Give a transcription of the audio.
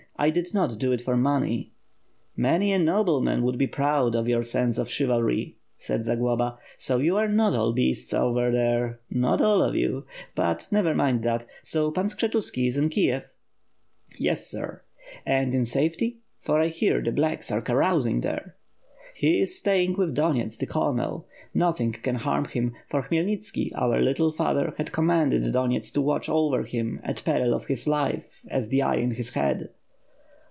I did not do this for money." "Many a nobleman would be proud of your sense of chiv alry," said Zagloba. "So you are not all beasts over there, not all of you; but, never mind that. So Pan Skshetuski is in Kiev?" WITH FTRE and sword. 619 "Yes, Sir/' "And in safety? for I hear the "blacks" are carousing there/' "He is staying with Donyets the colonel. Nothing can harm him, for Khmyelnitski, our little father, has com manded Donyets to watch over him at peril of his life as the eye in his head."